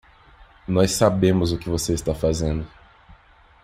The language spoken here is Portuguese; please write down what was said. Nós sabemos o que você está fazendo.